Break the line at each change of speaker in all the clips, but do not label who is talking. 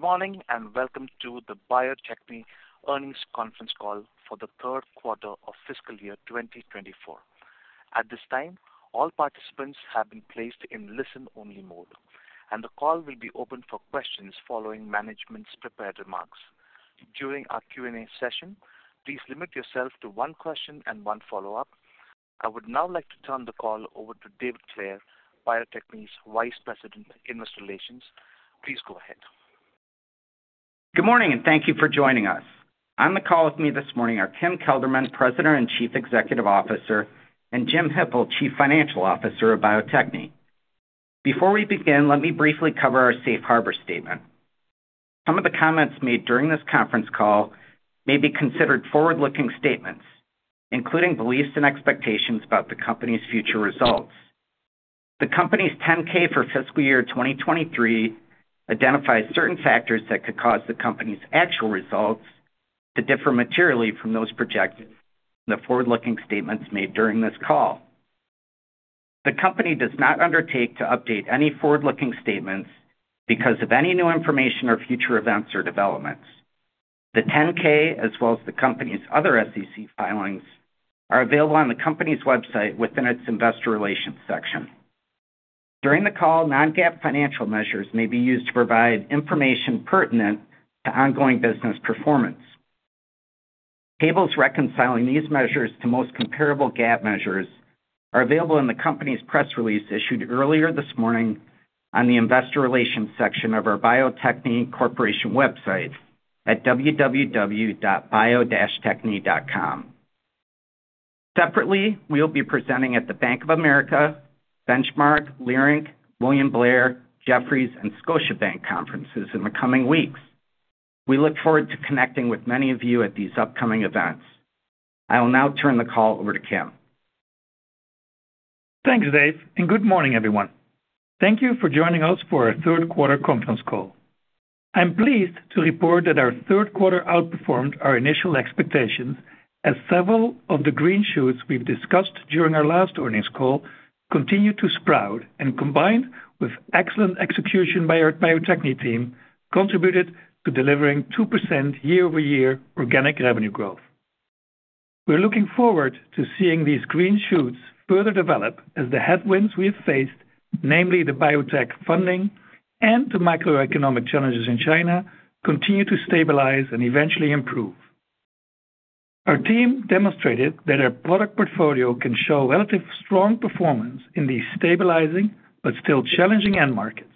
Good morning, and welcome to the Bio-Techne Earnings Conference Call for the Q3 of fiscal year 2024. At this time, all participants have been placed in listen-only mode, and the call will be open for questions following management's prepared remarks. During our Q&A session, please limit yourself to one question and one follow-up. I would now like to turn the call over to David Clair, Bio-Techne's Vice President, Investor Relations. Please go ahead.
Good morning, and thank you for joining us. On the call with me this morning are Kim Kelderman, President and Chief Executive Officer, and Jim Hippel, Chief Financial Officer of Bio-Techne. Before we begin, let me briefly cover our safe harbor statement. Some of the comments made during this conference call may be considered forward-looking statements, including beliefs and expectations about the company's future results. The company's 10-K for fiscal year 2023 identifies certain factors that could cause the company's actual results to differ materially from those projected in the forward-looking statements made during this call. The company does not undertake to update any forward-looking statements because of any new information or future events or developments. The 10-K, as well as the company's other SEC filings, are available on the company's website within its investor relations section. During the call, non-GAAP financial measures may be used to provide information pertinent to ongoing business performance. Tables reconciling these measures to the most comparable GAAP measures are available in the company's press release, issued earlier this morning on the investor relations section of our Bio-Techne Corporation website at www.bio-techne.com. Separately, we'll be presenting at the Bank of America, Benchmark, Leerink, William Blair, Jefferies and Scotiabank conferences in the coming weeks. We look forward to connecting with many of you at these upcoming events. I will now turn the call over to Kim.
Thanks, Dave, and good morning, everyone. Thank you for joining us for our Q3 conference call. I'm pleased to report that our Q3 outperformed our initial expectations, as several of the green shoots we've discussed during our last earnings call continued to sprout, and combined with excellent execution by our Bio-Techne team, contributed to delivering 2% year-over-year organic revenue growth. We're looking forward to seeing these green shoots further develop as the headwinds we have faced, namely the biotech funding and the macroeconomic challenges in China, continue to stabilize and eventually improve. Our team demonstrated that our product portfolio can show relatively strong performance in these stabilizing but still challenging end markets,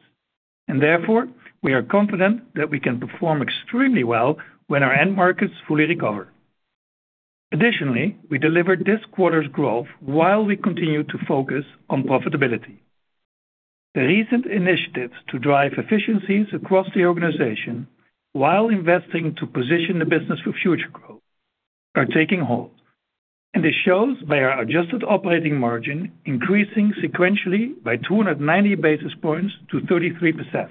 and therefore, we are confident that we can perform extremely well when our end markets fully recover. Additionally, we delivered this quarter's growth while we continued to focus on profitability. The recent initiatives to drive efficiencies across the organization while investing to position the business for future growth are taking hold, and this shows by our adjusted operating margin, increasing sequentially by 290 basis points to 33%.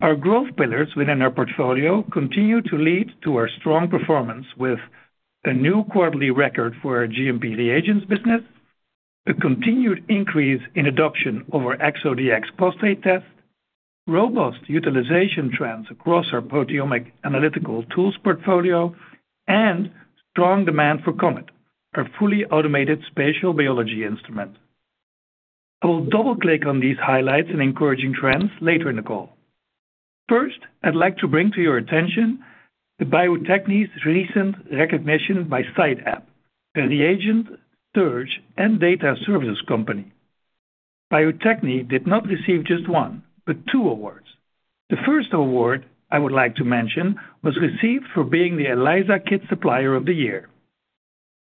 Our growth pillars within our portfolio continue to lead to our strong performance with a new quarterly record for our GMP reagents business, a continued increase in adoption of our ExoDx Prostate test, robust utilization trends across our proteomic analytical tools portfolio, and strong demand for COMET, our fully automated spatial biology instrument. I will double-click on these highlights and encouraging trends later in the call. First, I'd like to bring to your attention Bio-Techne's recent recognition by CiteAb, a reagent search and data services company. Bio-Techne did not receive just one, but two awards. The first award I would like to mention was received for being the ELISA Kit Supplier of the Year.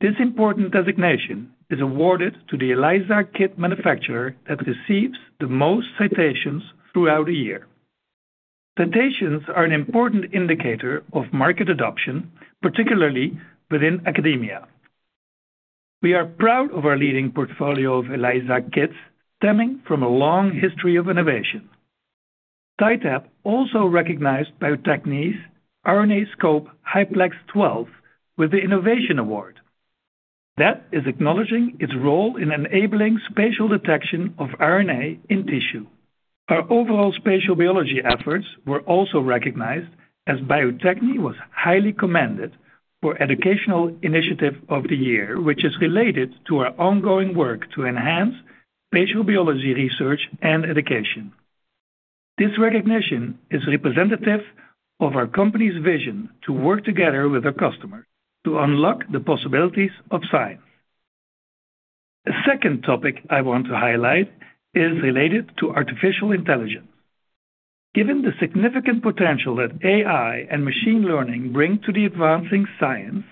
This important designation is awarded to the ELISA kit manufacturer that receives the most citations throughout the year. Citations are an important indicator of market adoption, particularly within academia. We are proud of our leading portfolio of ELISA kits, stemming from a long history of innovation. CiteAb also recognized Bio-Techne's RNAscope HiPlex 12 with the Innovation Award. That is acknowledging its role in enabling spatial detection of RNA in tissue. Our overall spatial biology efforts were also recognized as Bio-Techne was highly commended for Educational Initiative of the Year, which is related to our ongoing work to enhance spatial biology, research, and education. This recognition is representative of our company's vision to work together with our customers to unlock the possibilities of science. The second topic I want to highlight is related to artificial intelligence. Given the significant potential that AI and machine learning bring to the advancing science,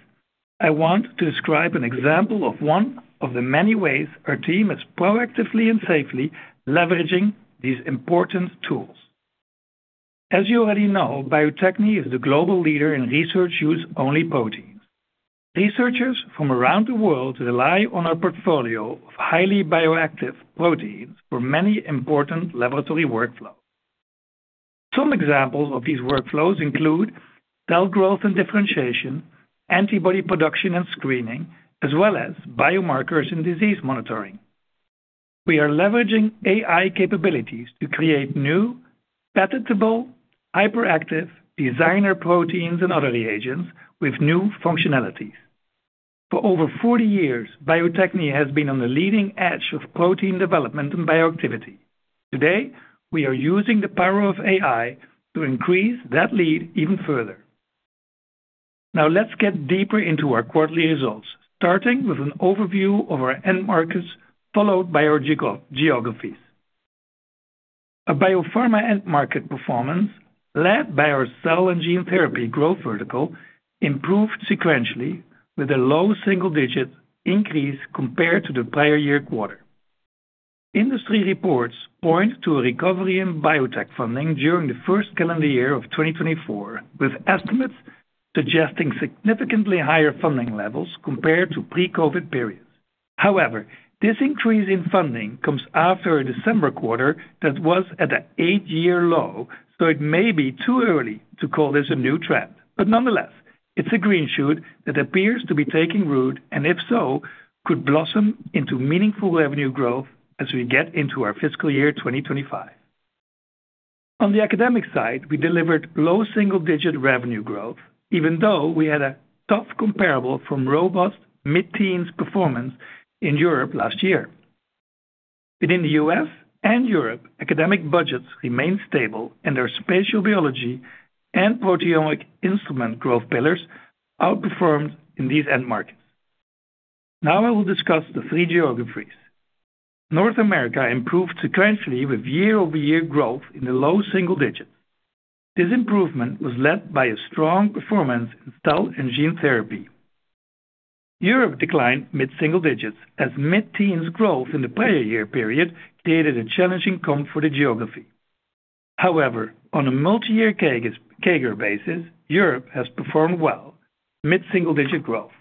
I want to describe an example of one of the many ways our team is proactively and safely leveraging these important tools. As you already know, Bio-Techne is the global leader in research use-only proteins. Researchers from around the world rely on our portfolio of highly bioactive proteins for many important laboratory workflows. Some examples of these workflows include cell growth and differentiation, antibody production and screening, as well as biomarkers and disease monitoring... We are leveraging AI capabilities to create new, patentable, hyperactive designer proteins and other reagents with new functionalities. For over 40 years, Bio-Techne has been on the leading edge of protein development and bioactivity. Today, we are using the power of AI to increase that lead even further. Now let's get deeper into our quarterly results, starting with an overview of our end markets, followed by our geographies. Our biopharma end market performance, led by our cell and gene therapy growth vertical, improved sequentially with a low single-digit increase compared to the prior year quarter. Industry reports point to a recovery in biotech funding during the first calendar year of 2024, with estimates suggesting significantly higher funding levels compared to pre-COVID periods. However, this increase in funding comes after a December quarter that was at an eight-year low, so it may be too early to call this a new trend. But nonetheless, it's a green shoot that appears to be taking root, and if so, could blossom into meaningful revenue growth as we get into our fiscal year 2025. On the academic side, we delivered low single-digit revenue growth, even though we had a tough comparable from robust mid-teens performance in Europe last year. Within the U.S. and Europe, academic budgets remained stable, and our spatial biology and proteomic instrument growth pillars outperformed in these end markets. Now I will discuss the three geographies. North America improved sequentially with year-over-year growth in the low single digits. This improvement was led by a strong performance in cell and gene therapy. Europe declined mid-single digits, as mid-teens growth in the prior year period created a challenging comp for the geography. However, on a multi-year CAGR basis, Europe has performed well, mid-single-digit growth.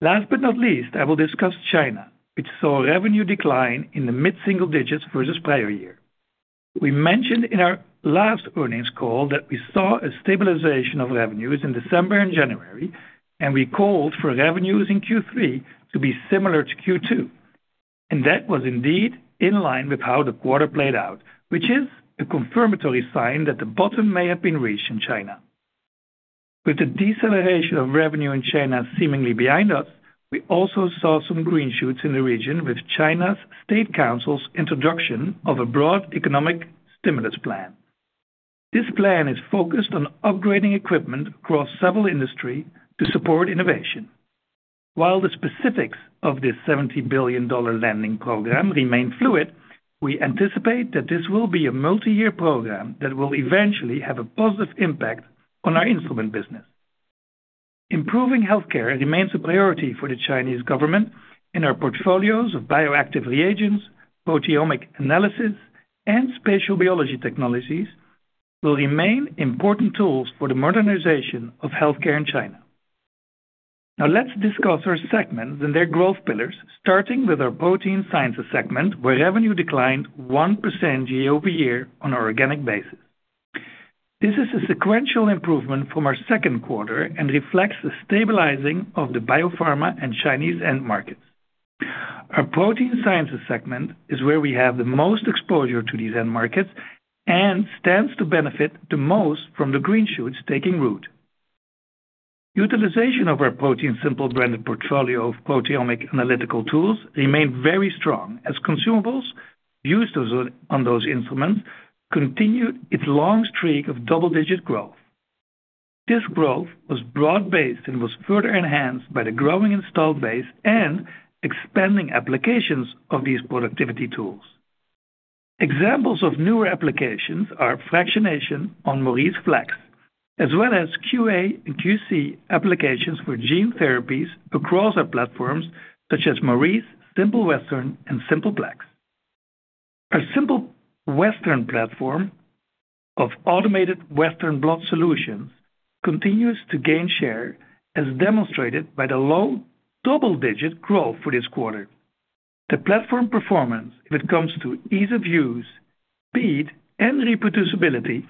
Last but not least, I will discuss China, which saw revenue decline in the mid-single digits versus prior year. We mentioned in our last earnings call that we saw a stabilization of revenues in December and January, and we called for revenues in Q3 to be similar to Q2, and that was indeed in line with how the quarter played out, which is a confirmatory sign that the bottom may have been reached in China. With the deceleration of revenue in China seemingly behind us, we also saw some green shoots in the region, with China's State Council's introduction of a broad economic stimulus plan. This plan is focused on upgrading equipment across several industry to support innovation. While the specifics of this $70 billion lending program remain fluid, we anticipate that this will be a multi-year program that will eventually have a positive impact on our instrument business. Improving healthcare remains a priority for the Chinese government, and our portfolios of bioactive reagents, proteomic analysis, and spatial biology technologies will remain important tools for the modernization of healthcare in China. Now, let's discuss our segments and their growth pillars, starting with our protein sciences segment, where revenue declined 1% year-over-year on an organic basis. This is a sequential improvement from our Q2 and reflects the stabilizing of the biopharma and Chinese end markets. Our protein sciences segment is where we have the most exposure to these end markets and stands to benefit the most from the green shoots taking root. Utilization of our ProteinSimple branded portfolio of proteomic analytical tools remained very strong, as consumables used on those instruments continued its long streak of double-digit growth. This growth was broad-based and was further enhanced by the growing installed base and expanding applications of these productivity tools. Examples of newer applications are fractionation on MauriceFlex, as well as QA and QC applications for gene therapies across our platforms, such as Maurice, Simple Western, and Simple Plex. Our Simple Western platform of automated western blot solutions continues to gain share, as demonstrated by the low double-digit growth for this quarter. The platform performance, when it comes to ease of use, speed, and reproducibility,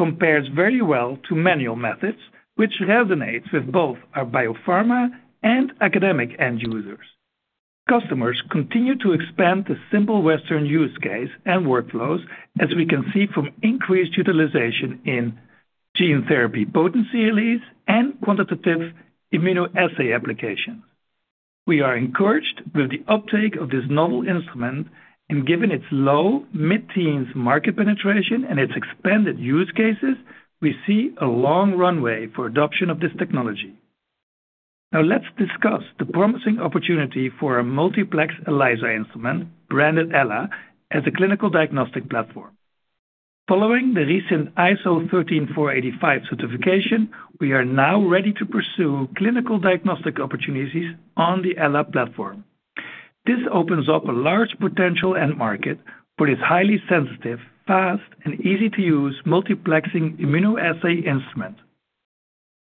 compares very well to manual methods, which resonates with both our biopharma and academic end users. Customers continue to expand the Simple Western use case and workflows, as we can see from increased utilization in gene therapy potency release and quantitative immunoassay applications. We are encouraged with the uptake of this novel instrument, and given its low mid-teens market penetration and its expanded use cases, we see a long runway for adoption of this technology. Now, let's discuss the promising opportunity for our multiplex ELISA instrument, branded Ella, as a clinical diagnostic platform. Following the recent ISO 13485 certification, we are now ready to pursue clinical diagnostic opportunities on the Ella platform. This opens up a large potential end market, but is highly sensitive, fast, and easy-to-use multiplexing immunoassay instrument.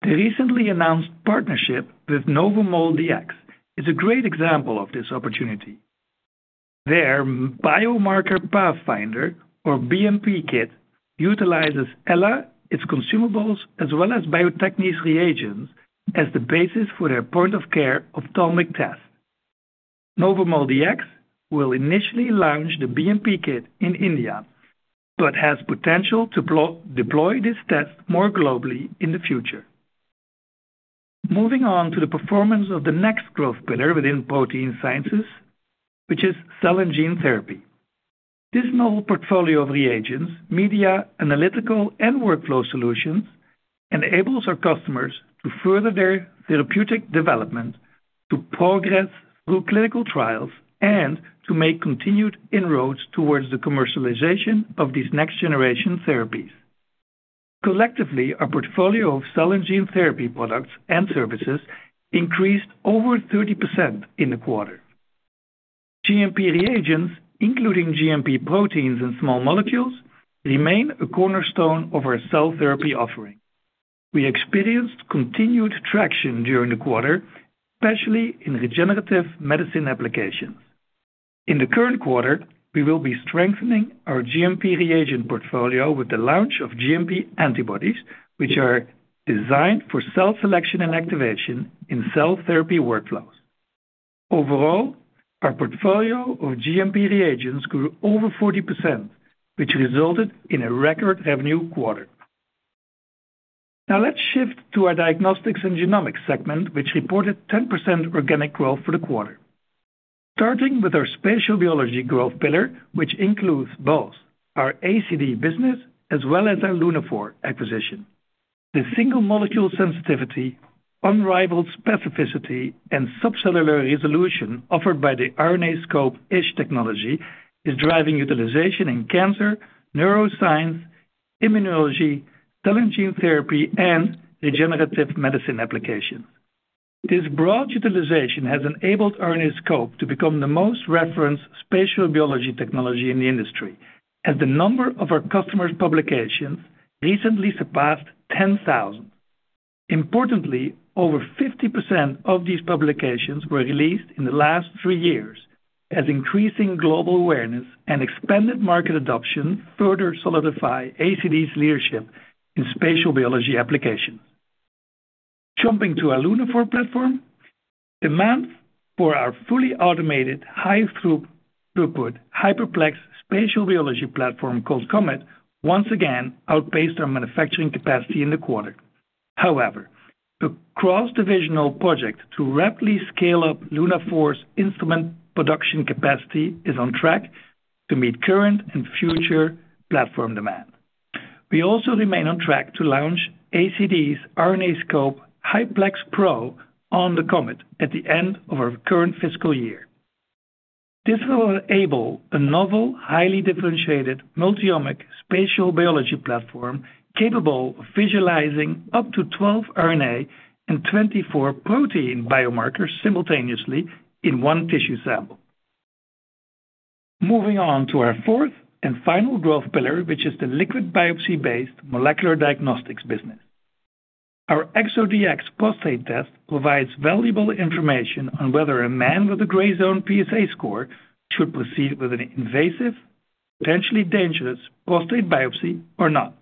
The recently announced partnership with Novo MolDX is a great example of this opportunity. Their Biomarker Pathfinder, or BMP kit, utilizes Ella, its consumables, as well as Bio-Techne's reagents, as the basis for their point-of-care ophthalmic test. Novo MolDX will initially launch the BMP kit in India, but has potential to deploy this test more globally in the future. Moving on to the performance of the next growth pillar within protein sciences, which is cell and gene therapy. This novel portfolio over the agents, media, analytical, and workflow solutions, enables our customers to further their therapeutic development, to progress through clinical trials, and to make continued in-roads towards the commercialization of these next-generation therapies. Collectively, our portfolio of cell and gene therapy products and services increased over 30% in the quarter. GMP reagents, including GMP proteins and small molecules, remain a cornerstone of our cell therapy offering. We experienced continued traction during the quarter, especially in regenerative medicine applications. In the current quarter, we will be strengthening our GMP reagent portfolio with the launch of GMP antibodies, which are designed for cell selection and activation in cell therapy workflows. Overall, our portfolio of GMP reagents grew over 40%, which resulted in a record revenue quarter. Now let's shift to our diagnostics and genomics segment, which reported 10% organic growth for the quarter. Starting with our spatial biology growth pillar, which includes both our ACD business as well as our Lunaphore acquisition. The single-molecule sensitivity, unrivaled specificity, and subcellular resolution offered by the RNAscope ISH technology is driving utilization in cancer, neuroscience, immunology, cell and gene therapy, and regenerative medicine applications. This broad utilization has enabled RNAscope to become the most referenced spatial biology technology in the industry, as the number of our customers' publications recently surpassed 10,000. Importantly, over 50% of these publications were released in the last three years, as increasing global awareness and expanded market adoption further solidify ACD's leadership in spatial biology applications. Jumping to our Lunaphore platform, demand for our fully automated, high-throughput hyperplex spatial biology platform, called COMET, once again outpaced our manufacturing capacity in the quarter. However, the cross-divisional project to rapidly scale up Lunaphore's instrument production capacity is on track to meet current and future platform demand. We also remain on track to launch ACD's RNAscope HiPlex Pro on the COMET at the end of our current fiscal year. This will enable a novel, highly differentiated, multiomic spatial biology platform, capable of visualizing up to 12 RNA and 24 protein biomarkers simultaneously in one tissue sample. Moving on to our fourth and final growth pillar, which is the liquid biopsy-based molecular diagnostics business. Our ExoDx Prostate test provides valuable information on whether a man with a gray zone PSA score should proceed with an invasive, potentially dangerous, prostate biopsy or not.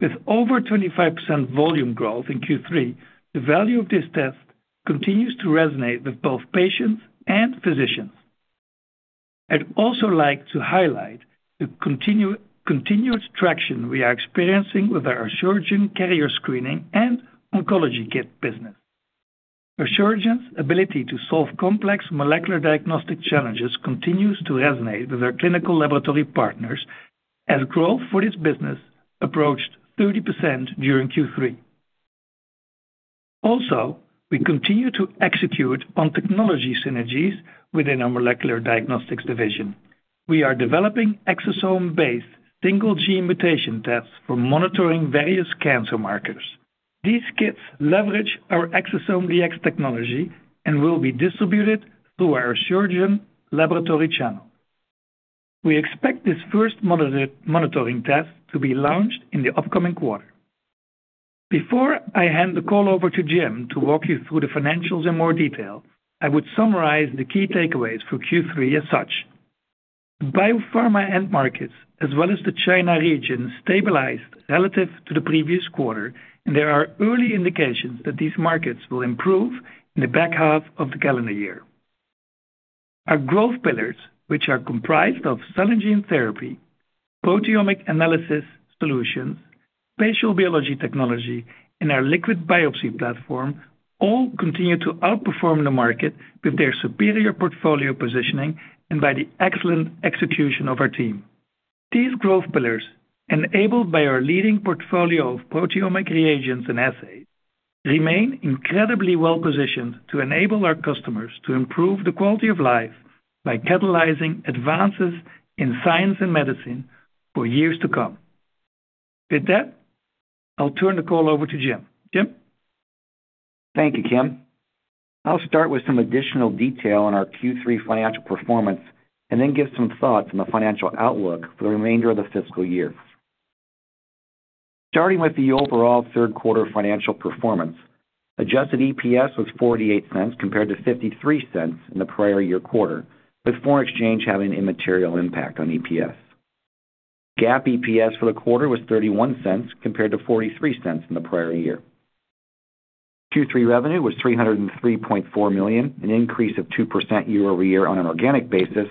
With over 25% volume growth in Q3, the value of this test continues to resonate with both patients and physicians. I'd also like to highlight the continuous traction we are experiencing with our Asuragen carrier screening and oncology kit business. Asuragen's ability to solve complex molecular diagnostic challenges continues to resonate with our clinical laboratory partners, as growth for this business approached 30% during Q3. Also, we continue to execute on technology synergies within our molecular diagnostics division. We are developing exosome-based single gene mutation tests for monitoring various cancer markers. These kits leverage our ExosomeDx technology and will be distributed through our Asuragen laboratory channel. We expect this first monitoring test to be launched in the upcoming quarter. Before I hand the call over to Jim to walk you through the financials in more detail, I would summarize the key takeaways for Q3 as such: Biopharma end markets, as well as the China region, stabilized relative to the previous quarter, and there are early indications that these markets will improve in the back half of the calendar year. Our growth pillars, which are comprised of cell and gene therapy, proteomic analysis solutions, spatial biology technology, and our liquid biopsy platform, all continue to outperform the market with their superior portfolio positioning and by the excellent execution of our team. These growth pillars, enabled by our leading portfolio of proteomic reagents and assays, remain incredibly well positioned to enable our customers to improve the quality of life by catalyzing advances in science and medicine for years to come. With that, I'll turn the call over to Jim. Jim?
Thank you, Kim. I'll start with some additional detail on our Q3 financial performance and then give some thoughts on the financial outlook for the remainder of the fiscal year. Starting with the overall Q3 financial performance, adjusted EPS was $0.48 compared to $0.53 in the prior year quarter, with foreign exchange having an immaterial impact on EPS. GAAP EPS for the quarter was $0.31 compared to $0.43 in the prior year. Q3 revenue was $303.4 million, an increase of 2% year-over-year on an organic basis,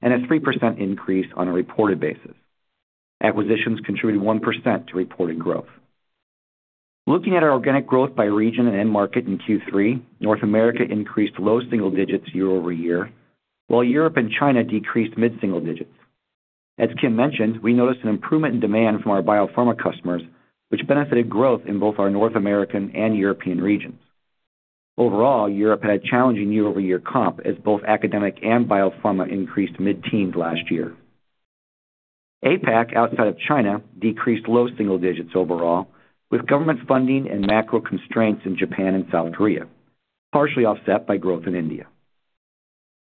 and a 3% increase on a reported basis. Acquisitions contributed 1% to reported growth. Looking at our organic growth by region and end market in Q3, North America increased low single digits year-over-year, while Europe and China decreased mid-single digits. As Kim mentioned, we noticed an improvement in demand from our biopharma customers, which benefited growth in both our North America and Europe regions. Overall, Europe had a challenging year-over-year comp, as both academic and biopharma increased mid-teens last year. APAC, outside of China, decreased low single digits overall, with government funding and macro constraints in Japan and South Korea, partially offset by growth in India.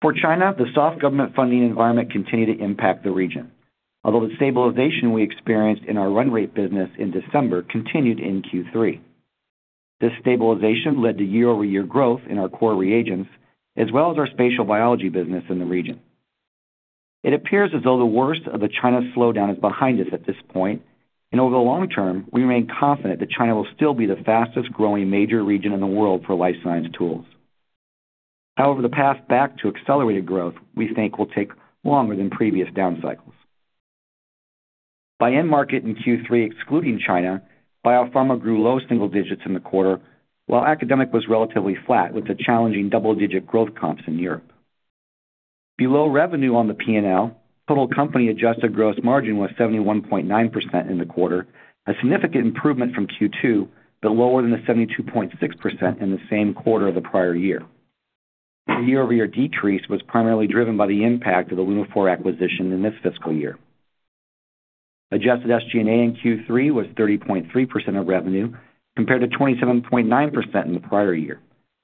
For China, the soft government funding environment continued to impact the region, although the stabilization we experienced in our run rate business in December continued in Q3. This stabilization led to year-over-year growth in our core reagents, as well as our spatial biology business in the region. It appears as though the worst of the China slowdown is behind us at this point, and over the long term, we remain confident that China will still be the fastest-growing major region in the world for life science tools. However, the path back to accelerated growth, we think, will take longer than previous down cycles. By end market in Q3, excluding China, biopharma grew low single digits in the quarter, while academic was relatively flat, with a challenging double-digit growth comps in Europe. Below revenue on the P&L, total company adjusted gross margin was 71.9% in the quarter, a significant improvement from Q2, but lower than the 72.6% in the same quarter of the prior year. The year-over-year decrease was primarily driven by the impact of the Lunaphore acquisition in this fiscal year. Adjusted SG&A in Q3 was 30.3% of revenue, compared to 27.9% in the prior year,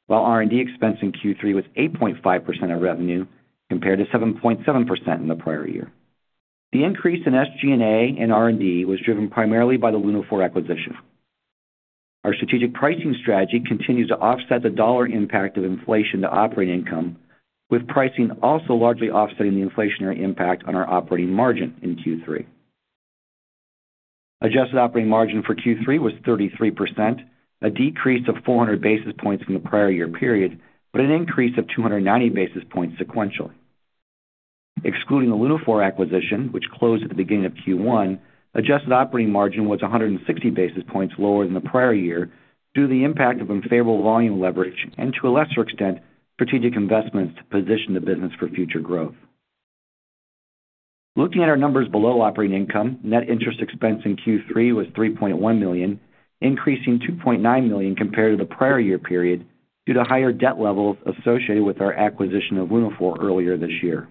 while R&D expense in Q3 was 8.5% of revenue, compared to 7.7% in the prior year. The increase in SG&A and R&D was driven primarily by the Lunaphore acquisition. Our strategic pricing strategy continues to offset the dollar impact of inflation to operating income, with pricing also largely offsetting the inflationary impact on our operating margin in Q3. Adjusted operating margin for Q3 was 33%, a decrease of 400 basis points from the prior year period, but an increase of 290 basis points sequentially. Excluding the Lunaphore acquisition, which closed at the beginning of Q1, adjusted operating margin was 100 basis points lower than the prior year due to the impact of unfavorable volume leverage and, to a lesser extent, strategic investments to position the business for future growth. Looking at our numbers below operating income, net interest expense in Q3 was $3.1 million, increasing $2.9 million compared to the prior year period due to higher debt levels associated with our acquisition of Lunaphore earlier this year.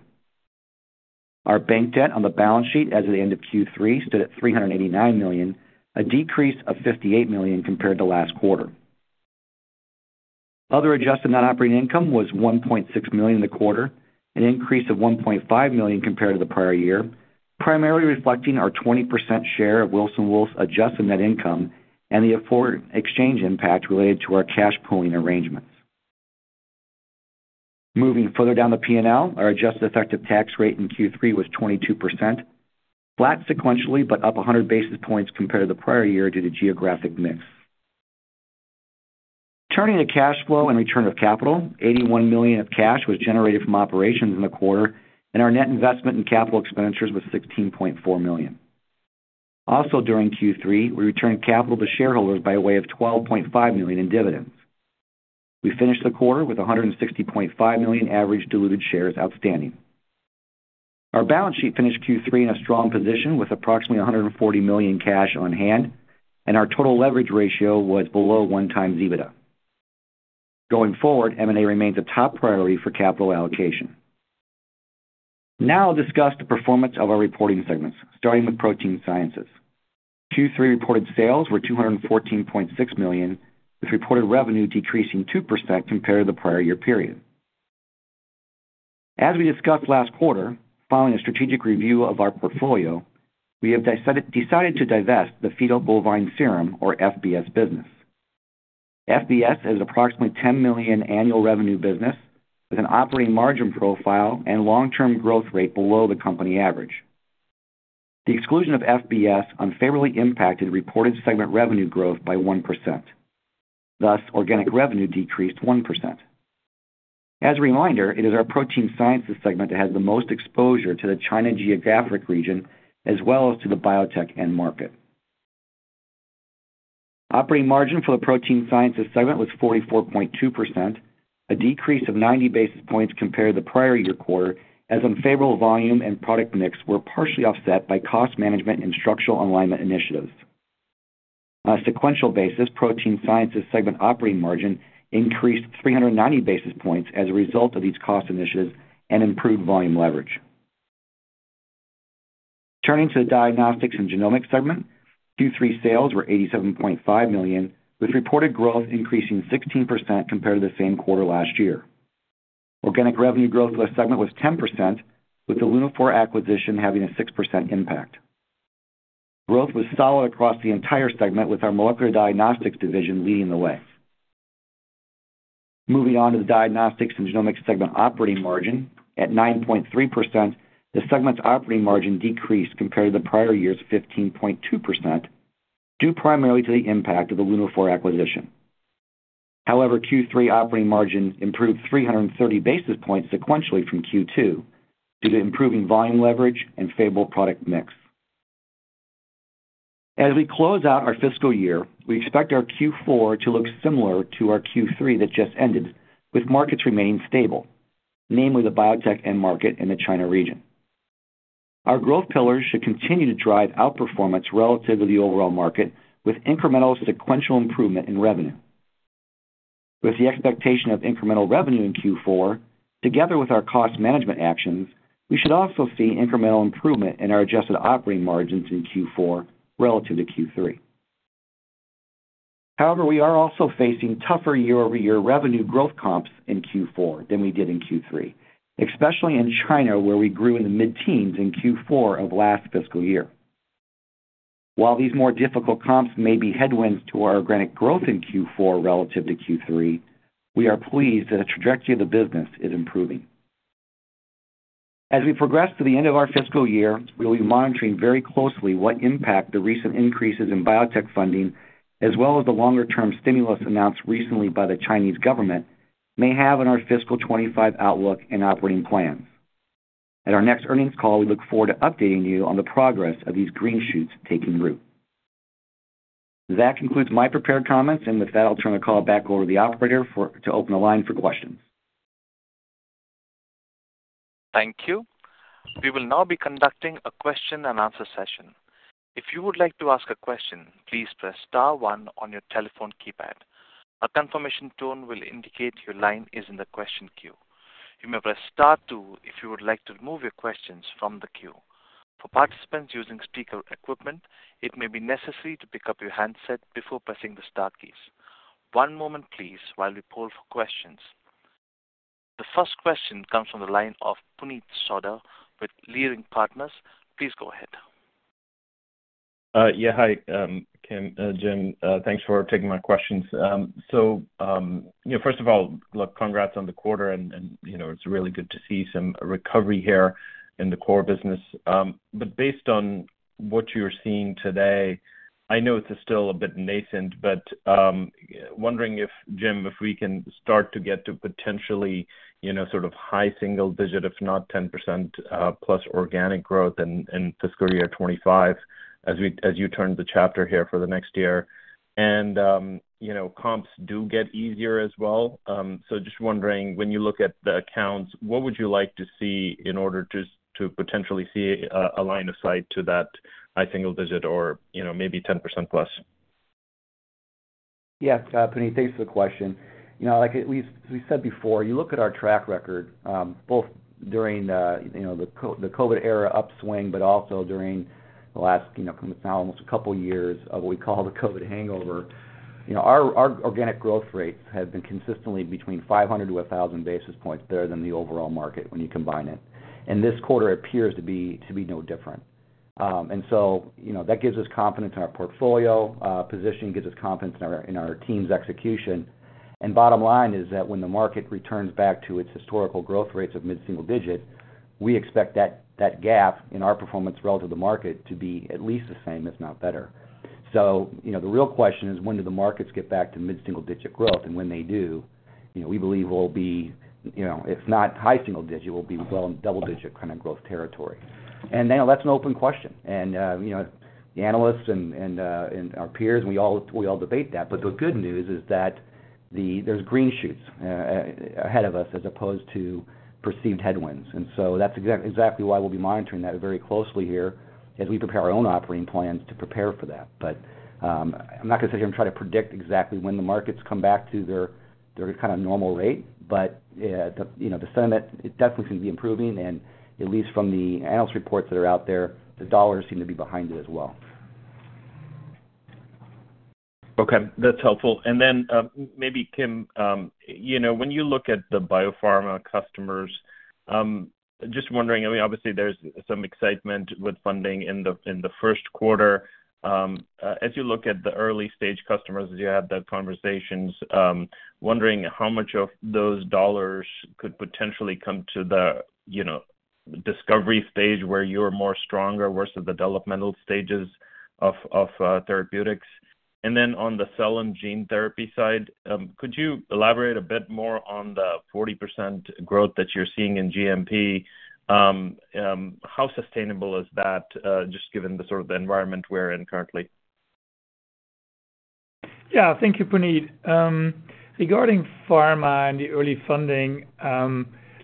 Our bank debt on the balance sheet as of the end of Q3 stood at $389 million, a decrease of $58 million compared to last quarter. Other adjusted net operating income was $1.6 million in the quarter, an increase of $1.5 million compared to the prior year, primarily reflecting our 20% share of Wilson Wolf's adjusted net income and the foreign exchange impact related to our cash pooling arrangements. Moving further down the P&L, our adjusted effective tax rate in Q3 was 22%, flat sequentially, but up 100 basis points compared to the prior year due to geographic mix. Turning to cash flow and return of capital, $81 million of cash was generated from operations in the quarter, and our net investment in capital expenditures was $16.4 million. Also, during Q3, we returned capital to shareholders by way of $12.5 million in dividends. We finished the quarter with 160.5 million average diluted shares outstanding. Our balance sheet finished Q3 in a strong position with approximately $140 million cash on hand, and our total leverage ratio was below 1x EBITDA. Going forward, M&A remains a top priority for capital allocation. Now I'll discuss the performance of our reporting segments, starting with Protein Sciences. Q3 reported sales were $214.6 million, with reported revenue decreasing 2% compared to the prior year period. As we discussed last quarter, following a strategic review of our portfolio, we have decided to divest the fetal bovine serum, or FBS, business. FBS is approximately $10 million annual revenue business with an operating margin profile and long-term growth rate below the company average. The exclusion of FBS unfavorably impacted reported segment revenue growth by 1%, thus, organic revenue decreased 1%. As a reminder, it is our protein sciences segment that has the most exposure to the China geographic region as well as to the biotech end market. Operating margin for the protein sciences segment was 44.2%, a decrease of 90 basis points compared to the prior year quarter, as unfavorable volume and product mix were partially offset by cost management and structural alignment initiatives. On a sequential basis, protein sciences segment operating margin increased 390 basis points as a result of these cost initiatives and improved volume leverage. Turning to the diagnostics and genomics segment, Q3 sales were $87.5 million, with reported growth increasing 16% compared to the same quarter last year. Organic revenue growth for this segment was 10%, with the Lunaphore acquisition having a 6% impact. Growth was solid across the entire segment, with our molecular diagnostics division leading the way. Moving on to the diagnostics and genomics segment operating margin: At 9.3%, the segment's operating margin decreased compared to the prior year's 15.2%, due primarily to the impact of the Lunaphore acquisition. However, Q3 operating margin improved 330 basis points sequentially from Q2, due to improving volume leverage and favorable product mix. As we close out our fiscal year, we expect our Q4 to look similar to our Q3 that just ended, with markets remaining stable, namely the biotech end market in the China region. Our growth pillars should continue to drive our performance relative to the overall market, with incremental sequential improvement in revenue. With the expectation of incremental revenue in Q4, together with our cost management actions, we should also see incremental improvement in our adjusted operating margins in Q4 relative to Q3. However, we are also facing tougher year-over-year revenue growth comps in Q4 than we did in Q3, especially in China, where we grew in the mid-teens in Q4 of last fiscal year. While these more difficult comps may be headwinds to our organic growth in Q4 relative to Q3, we are pleased that the trajectory of the business is improving. As we progress to the end of our fiscal year, we'll be monitoring very closely what impact the recent increases in biotech funding, as well as the longer-term stimulus announced recently by the Chinese government, may have on our fiscal 2025 outlook and operating plans. At our next earnings call, we look forward to updating you on the progress of these green shoots taking root. That concludes my prepared comments, and with that, I'll turn the call back over to the operator to open the line for questions.
Thank you. We will now be conducting a question-and-answer session. If you would like to ask a question, please press star one on your telephone keypad. A confirmation tone will indicate your line is in the question queue. You may press star two if you would like to remove your questions from the queue. For participants using speaker equipment, it may be necessary to pick up your handset before pressing the star keys. One moment please while we poll for questions. The first question comes from the line of Puneet Souda with Leerink Partners. Please go ahead.
Yeah. Hi, Kim, Jim, thanks for taking my questions. You know, first of all, look, congrats on the quarter and, you know, it's really good to see some recovery here in the core business. But based on what you're seeing today, I know it is still a bit nascent, but, wondering if, Jim, if we can start to get to potentially, you know, sort of high single digit, if not 10%, plus organic growth in, fiscal year 2025, as we, as you turn the chapter here for the next year. And, you know, comps do get easier as well. So just wondering, when you look at the accounts, what would you like to see in order to potentially see a line of sight to that high single digit or, you know, maybe 10%+?
Yeah, Puneet, thanks for the question. You know, like we, we said before, you look at our track record, both during the, you know, the COVID era upswing, but also during the last, you know, now almost a couple of years of what we call the COVID hangover. You know, our, our organic growth rates have been consistently between 500-1,000 basis points better than the overall market when you combine it, and this quarter appears to be, to be no different. And so, you know, that gives us confidence in our portfolio position, gives us confidence in our, in our team's execution. Bottom line is that when the market returns back to its historical growth rates of mid-single digit, we expect that gap in our performance relative to the market to be at least the same, if not better. So you know, the real question is, when do the markets get back to mid-single digit growth? And when they do, you know, we believe we'll be, you know, if not high single digit, we'll be well in double-digit kind of growth territory. And now that's an open question. And, you know, the analysts and, and, our peers, we all, we all debate that. But the good news is that there's green shoots ahead of us, as opposed to perceived headwinds. And so that's exactly why we'll be monitoring that very closely here as we prepare our own operating plans to prepare for that. But, I'm not going to sit here and try to predict exactly when the markets come back to their kind of normal rate. But, you know, the sentiment is definitely going to be improving, and at least from the analyst reports that are out there, the dollars seem to be behind it as well.
Okay, that's helpful. And then, maybe, Kim, you know, when you look at the biopharma customers, just wondering, I mean, obviously there's some excitement with funding in the, in the Q1. As you look at the early-stage customers, as you have the conversations, wondering how much of those dollars could potentially come to the, you know, discovery stage where you're more stronger versus the developmental stages of therapeutics? And then on the cell and gene therapy side, could you elaborate a bit more on the 40% growth that you're seeing in GMP? How sustainable is that, just given the sort of the environment we're in currently?
Yeah. Thank you, Puneet. Regarding pharma and the early funding,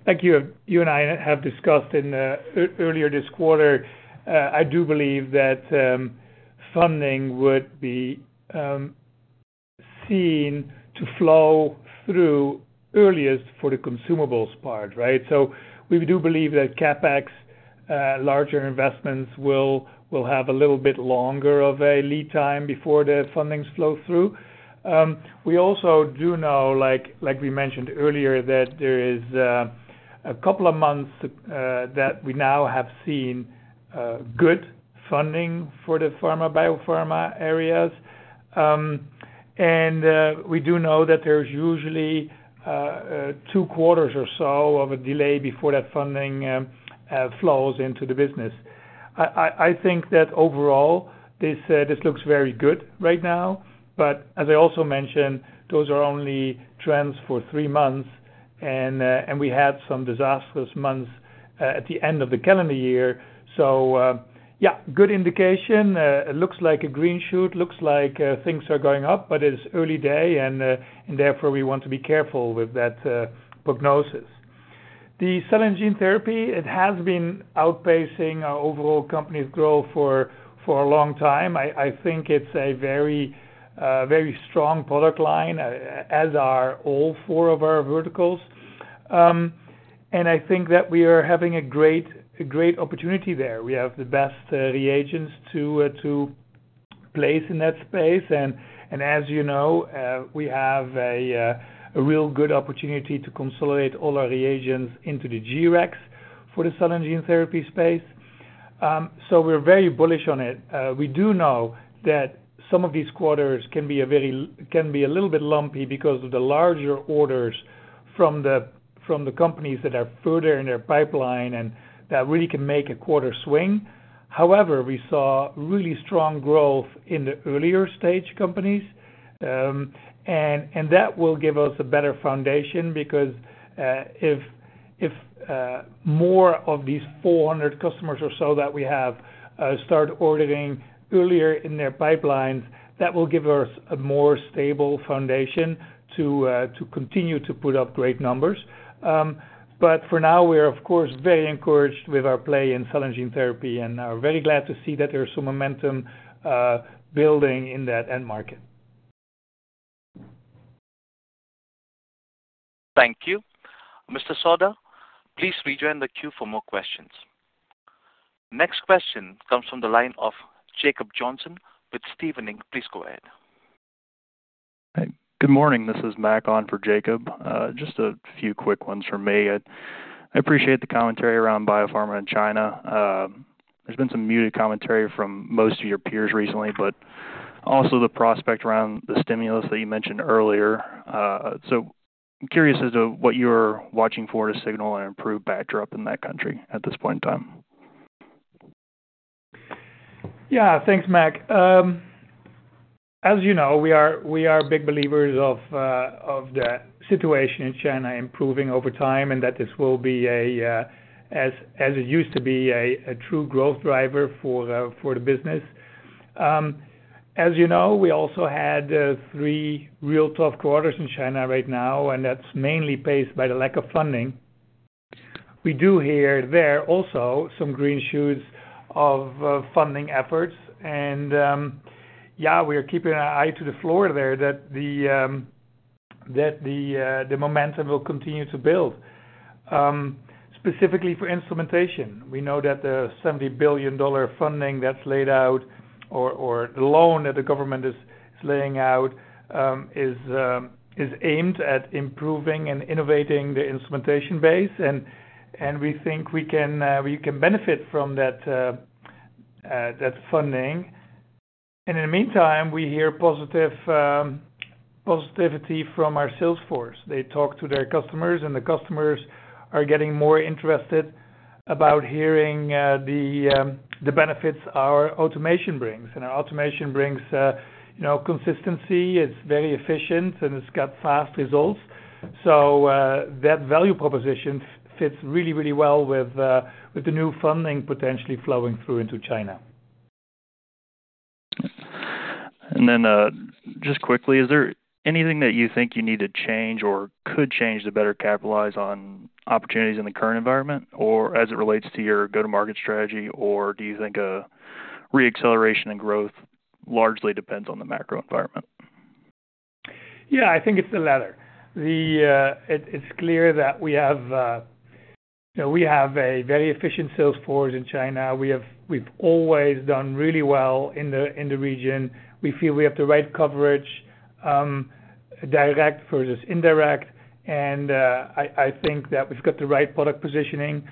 like you and I have discussed in the earlier this quarter, I do believe that funding would be seen to flow through earliest for the consumables part, right? So we do believe that CapEx larger investments will have a little bit longer of a lead time before the fundings flow through. We also do know, like we mentioned earlier, that there is a couple of months that we now have seen good funding for the pharma, biopharma areas. And we do know that there's usually two quarters or so of a delay before that funding flows into the business. I think that overall, this looks very good right now, but as I also mentioned, those are only trends for three months, and we had some disastrous months at the end of the calendar year. So, yeah, good indication. It looks like a green shoot, looks like things are going up, but it's early day, and therefore, we want to be careful with that prognosis. The cell and gene therapy, it has been outpacing our overall company's growth for a long time. I think it's a very strong product line, as are all four of our verticals. And I think that we are having a great opportunity there. We have the best reagents to place in that space, and as you know, we have a real good opportunity to consolidate all our reagents into the G-Rex for the cell and gene therapy space. So we're very bullish on it. We do know that some of these quarters can be a little bit lumpy because of the larger orders from the companies that are further in their pipeline, and that really can make a quarter swing. However, we saw really strong growth in the earlier stage companies. And that will give us a better foundation, because if more of these 400 customers or so that we have start ordering earlier in their pipelines, that will give us a more stable foundation to continue to put up great numbers. But for now, we're of course very encouraged with our play in cell and gene therapy, and are very glad to see that there's some momentum building in that end market.
Thank you. Mr. Souda, please rejoin the queue for more questions. Next question comes from the line of Jacob Johnson with Stephens Inc. Please go ahead.
Hi, good morning. This is Mack on for Jacob. Just a few quick ones from me. I appreciate the commentary around biopharma in China. There's been some muted commentary from most of your peers recently, but also the prospect around the stimulus that you mentioned earlier. So I'm curious as to what you're watching for to signal an improved backdrop in that country at this point in time.
Yeah, thanks, Mack. As you know, we are big believers of the situation in China improving over time, and that this will be a, as it used to be, a true growth driver for the business. As you know, we also had three real tough quarters in China right now, and that's mainly paced by the lack of funding. We do hear there also some green shoots of funding efforts, and yeah, we are keeping an eye to the floor there that the momentum will continue to build. Specifically for instrumentation, we know that the $70 billion funding that's laid out or the loan that the government is laying out is aimed at improving and innovating the instrumentation base, and we think we can benefit from that funding. And in the meantime, we hear positive positivity from our sales force. They talk to their customers, and the customers are getting more interested about hearing the benefits our automation brings. And our automation brings, you know, consistency, it's very efficient, and it's got fast results. So, that value proposition fits really, really well with the new funding potentially flowing through into China.
And then, just quickly, is there anything that you think you need to change or could change to better capitalize on opportunities in the current environment, or as it relates to your go-to-market strategy, or do you think a re-acceleration in growth largely depends on the macro environment?
Yeah, I think it's the latter. It's clear that we have, you know, a very efficient sales force in China. We've always done really well in the region. We feel we have the right coverage, direct versus indirect, and I think that we've got the right product positioning.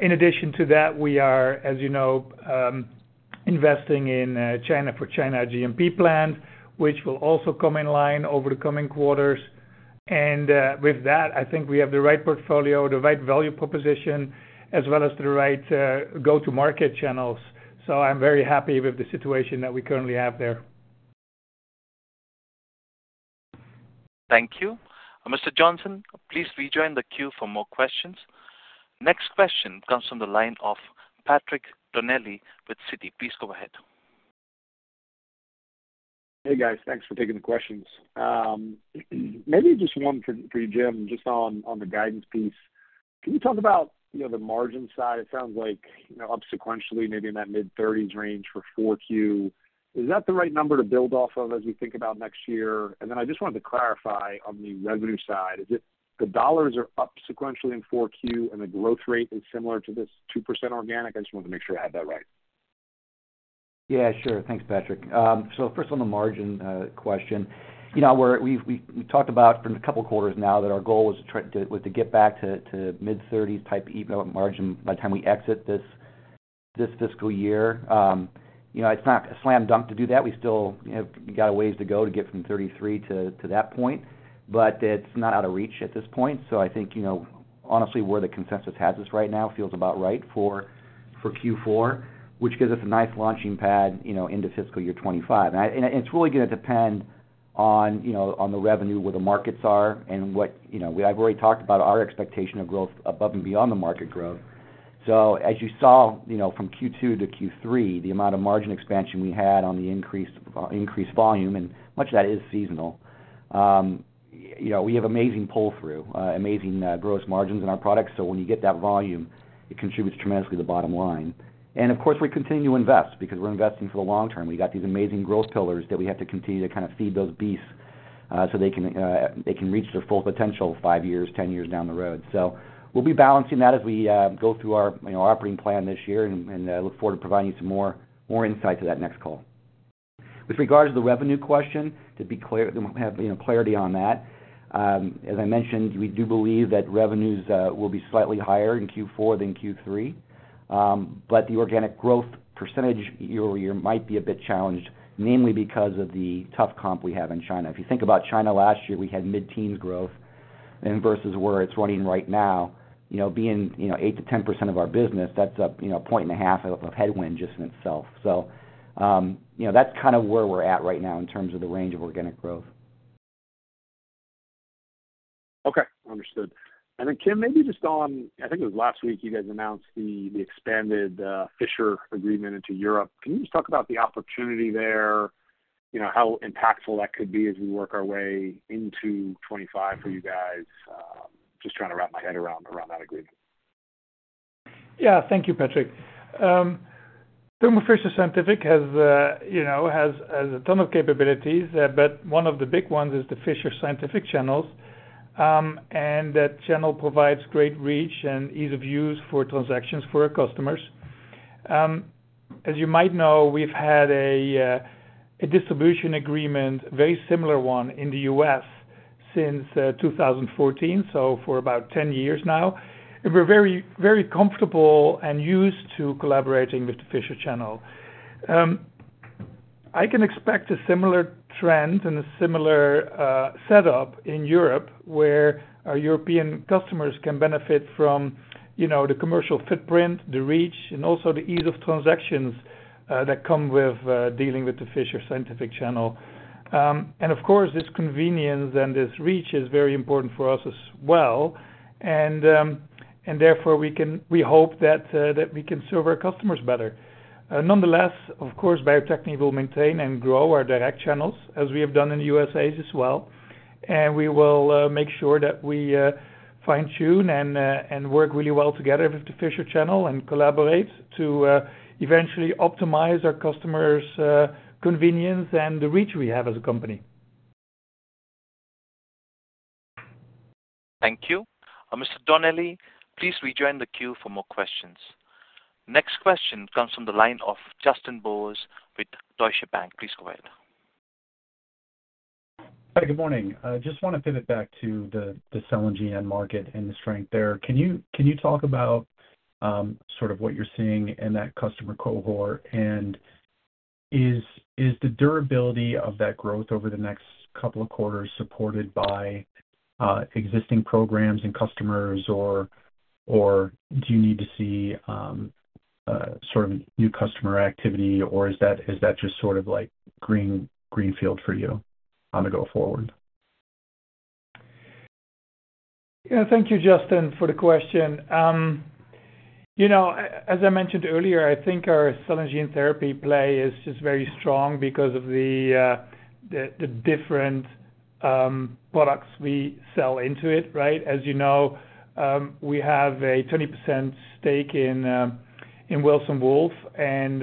In addition to that, we are, as you know, investing in China for China GMP plan, which will also come in line over the coming quarters. With that, I think we have the right portfolio, the right value proposition, as well as the right go-to-market channels. So I'm very happy with the situation that we currently have there.
Thank you. Mr. Johnson, please rejoin the queue for more questions. Next question comes from the line of Patrick Donnelly with Citi. Please go ahead.
Hey, guys. Thanks for taking the questions. Maybe just one for you, Jim, just on the guidance piece. Can you talk about, you know, the margin side? It sounds like, you know, up sequentially, maybe in that mid-thirties range for 4Q. Is that the right number to build off of as we think about next year? And then I just wanted to clarify on the revenue side, is it the dollars are up sequentially in 4Q and the growth rate is similar to this 2% organic? I just wanted to make sure I had that right.
Yeah, sure. Thanks, Patrick. So first on the margin question. You know, we've talked about from a couple of quarters now that our goal is to try to get back to mid-30s type EBIT margin by the time we exit this fiscal year. You know, it's not a slam dunk to do that. We still, you know, we got a ways to go to get from 33 to that point, but it's not out of reach at this point. So I think, you know, honestly, where the consensus has us right now feels about right for Q4, which gives us a nice launching pad, you know, into fiscal year 2025. And it's really gonna depend on, you know, on the revenue, where the markets are and what... You know, we've already talked about our expectation of growth above and beyond the market growth. So as you saw, you know, from Q2 to Q3, the amount of margin expansion we had on the increased volume, and much of that is seasonal. You know, we have amazing pull-through, amazing gross margins in our products, so when you get that volume, it contributes tremendously to the bottom line. And of course, we continue to invest because we're investing for the long term. We got these amazing growth pillars that we have to continue to kind of feed those beasts, so they can reach their full potential five years, 10 years down the road. So we'll be balancing that as we go through our, you know, operating plan this year, and look forward to providing some more insight to that next call. With regards to the revenue question, to be clear, have, you know, clarity on that. As I mentioned, we do believe that revenues will be slightly higher in Q4 than Q3. But the organic growth percentage year over year might be a bit challenged, mainly because of the tough comp we have in China. If you think about China last year, we had mid-teen growth and versus where it's running right now, you know, being 8%-10% of our business, that's a point and a half of headwind just in itself. So, you know, that's kind of where we're at right now in terms of the range of organic growth.
Okay, understood. And then, Kim, maybe just on, I think it was last week, you guys announced the, the expanded, Fisher agreement into Europe. Can you just talk about the opportunity there, you know, how impactful that could be as we work our way into 2025 for you guys? Just trying to wrap my head around that agreement.
Yeah. Thank you, Patrick. Thermo Fisher Scientific has, you know, a ton of capabilities, but one of the big ones is the Fisher Scientific channels. And that channel provides great reach and ease of use for transactions for our customers. As you might know, we've had a distribution agreement, very similar one in the U.S. since 2014, so for about 10 years now. And we're very, very comfortable and used to collaborating with the Fisher Channel. I can expect a similar trend and a similar setup in Europe, where our European customers can benefit from, you know, the commercial footprint, the reach, and also the ease of transactions that come with dealing with the Fisher Scientific Channel. And of course, this convenience and this reach is very important for us as well. Therefore, we hope that we can serve our customers better. Nonetheless, of course, Bio-Techne will maintain and grow our direct channels, as we have done in the USA as well, and we will make sure that we fine-tune and work really well together with the Fisher Channel and collaborate to eventually optimize our customers' convenience and the reach we have as a company.
Thank you. Mr. Donnelly, please rejoin the queue for more questions. Next question comes from the line of Justin Bowers with Deutsche Bank. Please go ahead.
Hi, good morning. I just want to pivot back to the cell and gene market and the strength there. Can you talk about sort of what you're seeing in that customer cohort? And is the durability of that growth over the next couple of quarters supported by existing programs and customers, or do you need to see sort of new customer activity, or is that just sort of like greenfield for you on the go forward?
Yeah, thank you, Justin, for the question. You know, as I mentioned earlier, I think our cell and gene therapy play is just very strong because of the different products we sell into it, right? As you know, we have a 20% stake in Wilson Wolf, and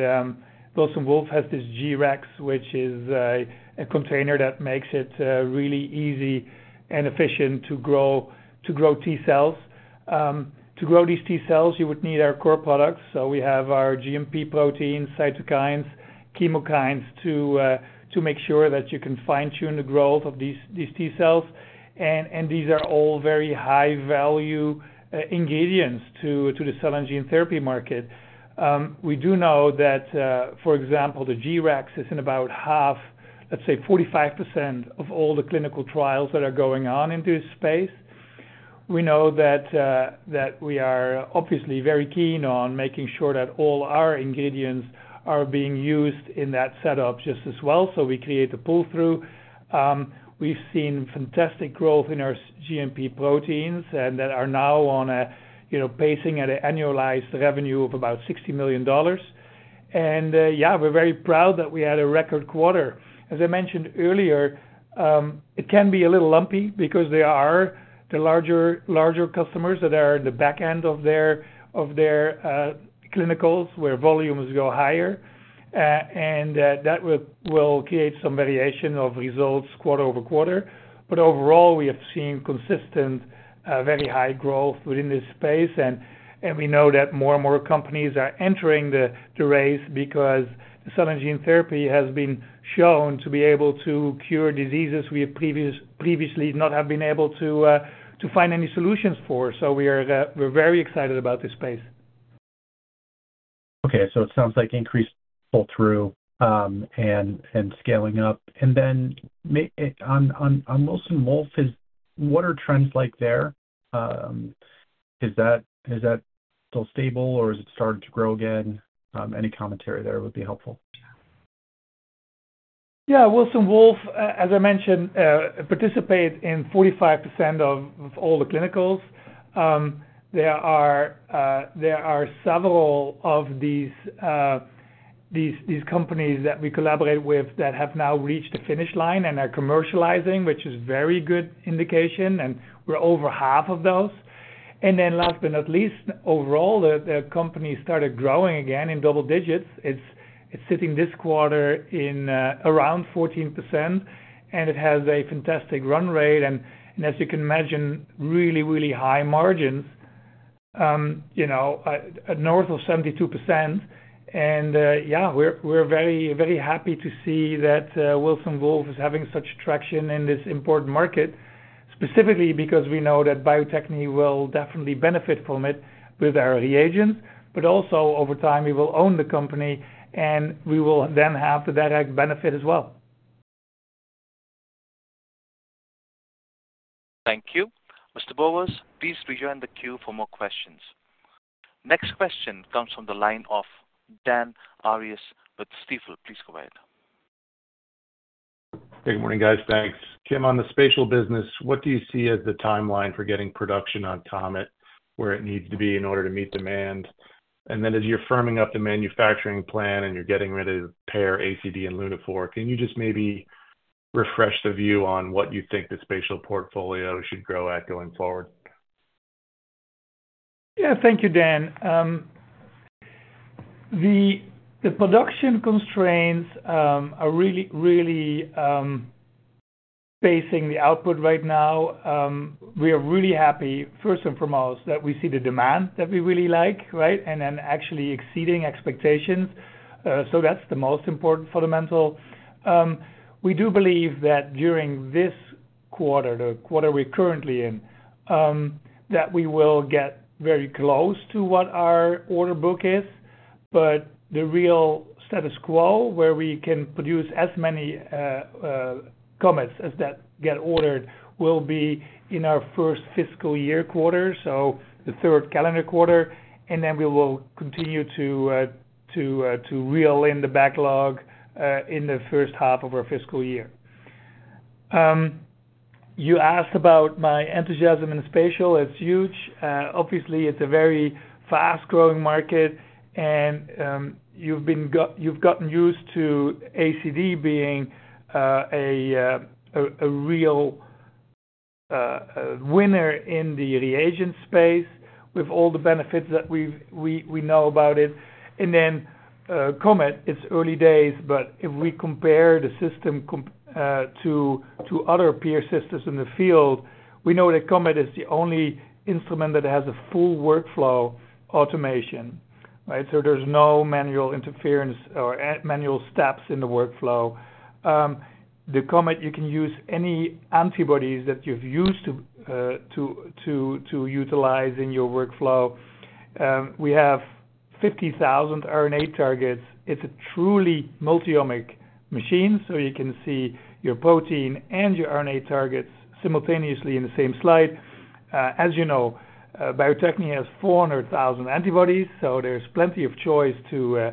Wilson Wolf has this G-Rex, which is a container that makes it really easy and efficient to grow T-cells. To grow these T-cells, you would need our core products. So we have our GMP protein, cytokines, chemokines, to make sure that you can fine-tune the growth of these T-cells, and these are all very high-value ingredients to the cell and gene therapy market. We do know that, for example, the G-Rex is in about half, let's say, 45% of all the clinical trials that are going on into this space. We know that we are obviously very keen on making sure that all our ingredients are being used in that setup just as well, so we create a pull-through. We've seen fantastic growth in our GMP proteins, and that are now on a, you know, pacing at an annualized revenue of about $60 million. And yeah, we're very proud that we had a record quarter. As I mentioned earlier, it can be a little lumpy because there are the larger customers that are in the back end of their clinicals, where volumes go higher. And that will create some variation of results quarter-over-quarter. But overall, we have seen consistent very high growth within this space, and we know that more and more companies are entering the race because the cell and gene therapy has been shown to be able to cure diseases we have previously not have been able to to find any solutions for. So we are, we're very excited about this space.
Okay, so it sounds like increased pull-through and scaling up. And then maybe on Wilson Wolf, what are trends like there? Is that still stable or is it starting to grow again? Any commentary there would be helpful.
Yeah, Wilson Wolf, as I mentioned, participate in 45% of all the clinicals. There are several of these companies that we collaborate with that have now reached the finish line and are commercializing, which is very good indication, and we're over half of those. And then last but not least, overall, the company started growing again in double digits. It's sitting this quarter in around 14%, and it has a fantastic run rate. And as you can imagine, really, really high margins, you know, at north of 72%. And yeah, we're very happy to see that Wilson Wolf is having such traction in this important market. Specifically, because we know that Bio-Techne will definitely benefit from it with our reagents, but also over time, we will own the company, and we will then have the direct benefit as well.
Thank you. Mr. Bowers, please rejoin the queue for more questions. Next question comes from the line of Dan Arias with Stifel. Please go ahead.
Good morning, guys. Thanks. Kim, on the spatial business, what do you see as the timeline for getting production on COMET, where it needs to be in order to meet demand? And then as you're firming up the manufacturing plan and you're getting ready to pair ACD and Lunaphore, can you just maybe refresh the view on what you think the spatial portfolio should grow at going forward?
Yeah. Thank you, Dan. The production constraints are really, really pacing the output right now. We are really happy, first and foremost, that we see the demand that we really like, right? And then actually exceeding expectations. So that's the most important fundamental. We do believe that during this quarter, the quarter we're currently in, that we will get very close to what our order book is. But the real status quo, where we can produce as many COMETs as that get ordered, will be in our first fiscal year quarter, so the third calendar quarter, and then we will continue to reel in the backlog in the H1 of our fiscal year. You asked about my enthusiasm in spatial. It's huge. Obviously, it's a very fast-growing market, and you've gotten used to ACD being a real winner in the reagent space with all the benefits that we know about it. And then, COMET, it's early days, but if we compare the system comp, to other peer systems in the field, we know that COMET is the only instrument that has a full workflow automation, right? So there's no manual interference or manual steps in the workflow. The COMET, you can use any antibodies that you've used to utilize in your workflow. We have 50,000 RNA targets. It's a truly multiomic machine, so you can see your protein and your RNA targets simultaneously in the same slide. As you know, Bio-Techne has 400,000 antibodies, so there's plenty of choice to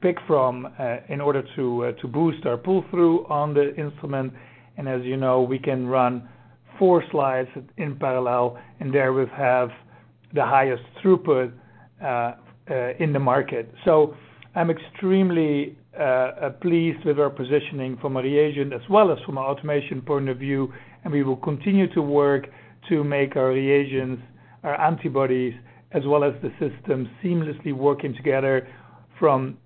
pick from in order to boost our pull-through on the instrument. As you know, we can run four slides in parallel, and there we have the highest throughput in the market. So I'm extremely pleased with our positioning from a reagent as well as from an automation point of view, and we will continue to work to make our reagents, our antibodies, as well as the system seamlessly working together from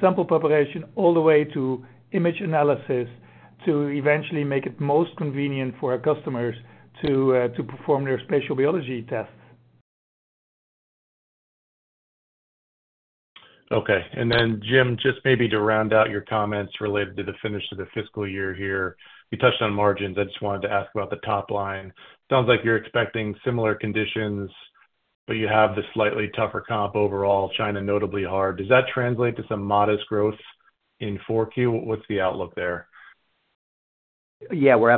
sample preparation all the way to image analysis, to eventually make it most convenient for our customers to perform their spatial biology tests.
Okay. Then, Jim, just maybe to round out your comments related to the finish of the fiscal year here. You touched on margins. I just wanted to ask about the top line. Sounds like you're expecting similar conditions, but you have the slightly tougher comp overall, China notably hard. Does that translate to some modest growth in 4Q? What's the outlook there?
Yeah, we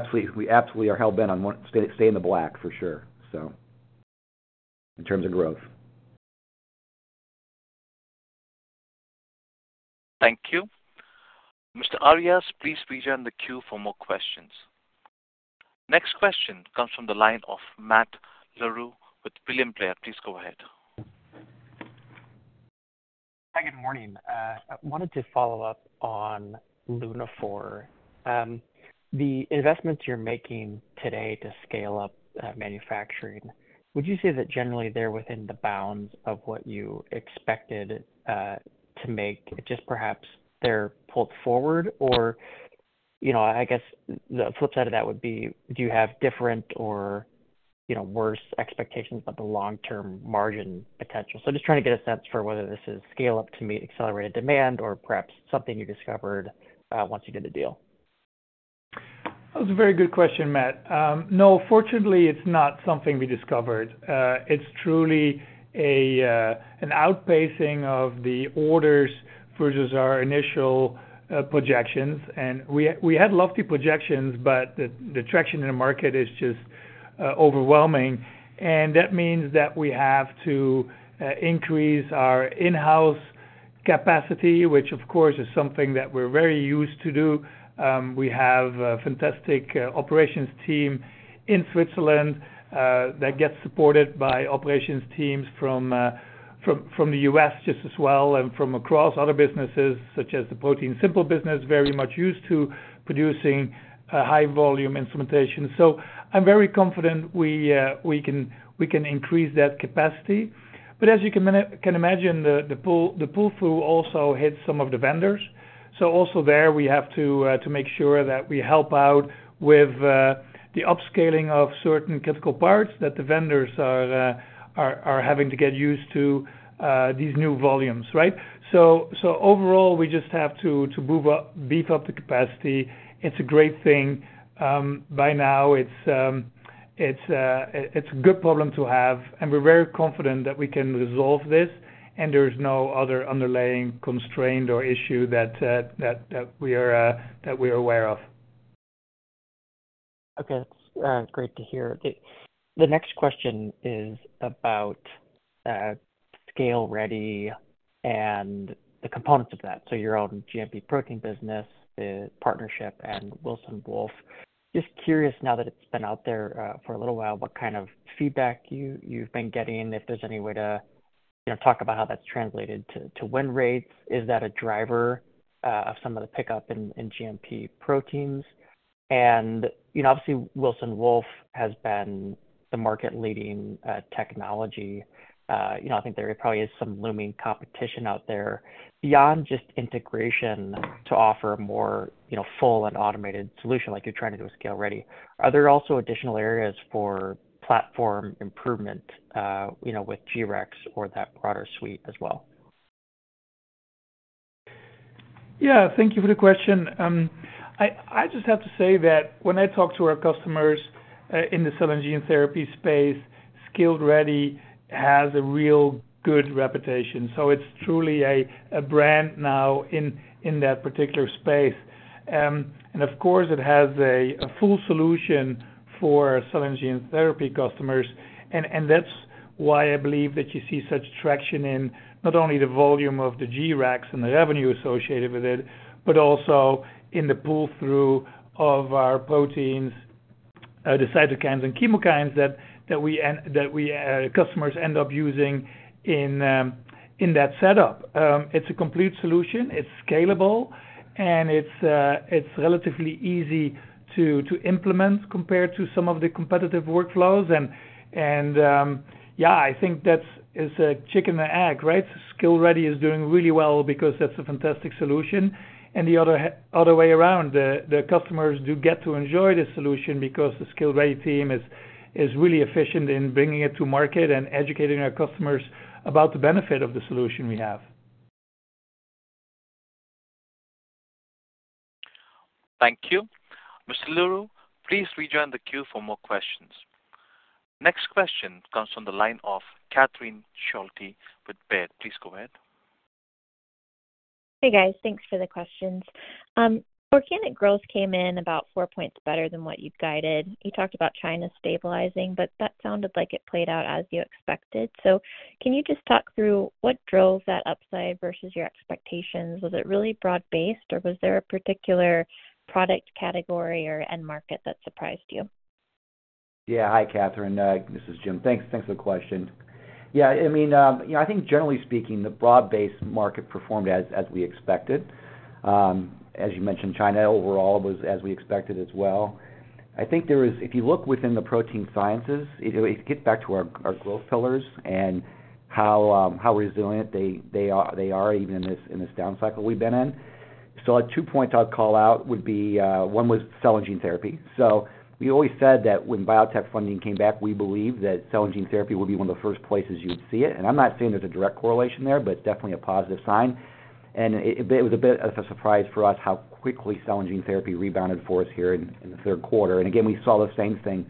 absolutely are hell-bent on one, stay in the black, for sure. So in terms of growth.
Thank you. Mr. Arias, please rejoin the queue for more questions. Next question comes from the line of Matt Larew with William Blair. Please go ahead.
Hi, good morning. I wanted to follow up on Lunaphore. The investments you're making today to scale up manufacturing, would you say that generally they're within the bounds of what you expected to make, just perhaps they're pulled forward? Or, you know, I guess the flip side of that would be, do you have different or, you know, worse expectations about the long-term margin potential? So just trying to get a sense for whether this is scale up to meet accelerated demand or perhaps something you discovered once you did the deal.
That's a very good question, Matt. No, fortunately, it's not something we discovered. It's truly an outpacing of the orders versus our initial projections. And we had lofty projections, but the traction in the market is just overwhelming. That means that we have to increase our in-house capacity, which, of course, is something that we're very used to do. We have a fantastic operations team in Switzerland that gets supported by operations teams from the U.S. just as well, and from across other businesses, such as the ProteinSimple business, very much used to producing high volume instrumentation. So I'm very confident we can increase that capacity. But as you can imagine, the pull-through also hits some of the vendors. So also there, we have to make sure that we help out with the upscaling of certain critical parts that the vendors are having to get used to these new volumes, right? So overall, we just have to move up, beef up the capacity. It's a great thing. By now, it's a good problem to have, and we're very confident that we can resolve this, and there is no other underlying constraint or issue that we're aware of.
Okay. That's great to hear. The next question is about ScaleReady and the components of that. So your own GMP protein business, the partnership, and Wilson Wolf. Just curious, now that it's been out there for a little while, what kind of feedback you've been getting, if there's any way to, you know, talk about how that's translated to win rates. Is that a driver of some of the pickup in GMP proteins? And, you know, obviously, Wilson Wolf has been the market leading technology. You know, I think there probably is some looming competition out there. Beyond just integration to offer a more, you know, full and automated solution like you're trying to do with ScaleReady, are there also additional areas for platform improvement, you know, with G-Rex or that broader suite as well?
Yeah, thank you for the question. I just have to say that when I talk to our customers in the cell and gene therapy space, ScaleReady has a real good reputation, so it's truly a brand now in that particular space. And of course, it has a full solution for cell and gene therapy customers, and that's why I believe that you see such traction in not only the volume of the G-Rex and the revenue associated with it, but also in the pull-through of our proteins, the cytokines and chemokines that customers end up using in that setup. It's a complete solution, it's scalable, and it's relatively easy to implement compared to some of the competitive workflows. Yeah, I think that's it, it's a chicken and egg, right? ScaleReady is doing really well because that's a fantastic solution. And the other way around, the customers do get to enjoy the solution because the ScaleReady team is really efficient in bringing it to market and educating our customers about the benefit of the solution we have.
Thank you. Mr. Larew, please rejoin the queue for more questions. Next question comes from the line of Catherine Schulte with Baird. Please go ahead.
Hey, guys. Thanks for the questions. Organic growth came in about four points better than what you'd guided. You talked about China stabilizing, but that sounded like it played out as you expected. So can you just talk through what drove that upside versus your expectations? Was it really broad-based, or was there a particular product category or end market that surprised you?
Yeah. Hi, Catherine, this is Jim. Thanks, thanks for the question. Yeah, I mean, you know, I think generally speaking, the broad-based market performed as, as we expected. As you mentioned, China overall was as we expected as well. I think there is, if you look within the protein sciences, it, it gets back to our, our growth pillars and how, how resilient they, they are, they are even in this, in this down cycle we've been in. So two points I'd call out would be, one was cell and gene therapy. So we always said that when biotech funding came back, we believe that cell and gene therapy would be one of the first places you'd see it. And I'm not saying there's a direct correlation there, but definitely a positive sign. It was a bit of a surprise for us how quickly cell and gene therapy rebounded for us here in the Q3. And again, we saw the same thing,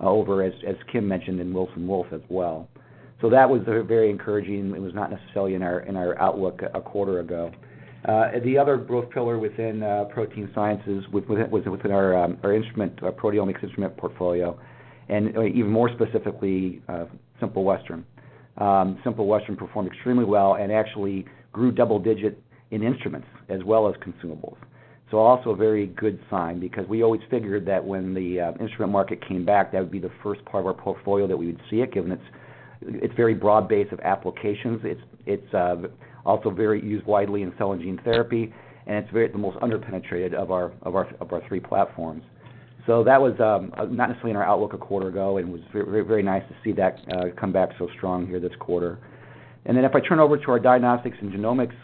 as Kim mentioned, in Wilson Wolf as well. So that was very encouraging. It was not necessarily in our outlook a quarter ago. The other growth pillar within protein sciences was within our instrument, our proteomics instrument portfolio, and even more specifically, Simple Western. Simple Western performed extremely well and actually grew double-digit in instruments as well as consumables. So also a very good sign, because we always figured that when the instrument market came back, that would be the first part of our portfolio that we would see it, given its very broad base of applications. It's also very used widely in cell and gene therapy, and it's the most under-penetrated of our three platforms. So that was not necessarily in our outlook a quarter ago, and it was very, very nice to see that come back so strong here this quarter. And then if I turn over to our diagnostics and genomics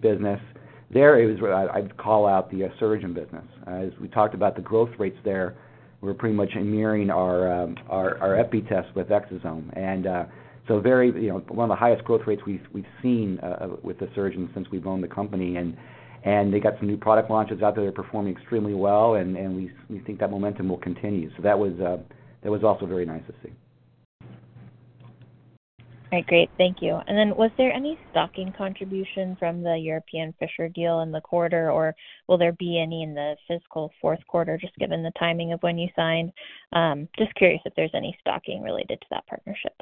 business, there it was. I'd call out the Asuragen business. As we talked about the growth rates there, we're pretty much nearing our EPI test with Exosome. And so very, you know, one of the highest growth rates we've seen with the Asuragen since we've owned the company. And they got some new product launches out there. They're performing extremely well, and we think that momentum will continue. That was also very nice to see. All right, great. Thank you. And then was there any stocking contribution from the European Fisher deal in the quarter, or will there be any in the fiscal Q4, just given the timing of when you signed? Just curious if there's any stocking related to that partnership.